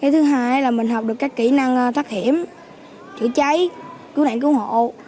thứ hai là mình học được các kỹ năng thoát hiểm chữa cháy cứu nạn cứu hộ